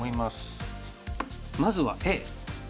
まずはＡ。